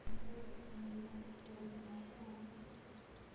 Omukyala yasangibwa ku ttale ng'akaaba.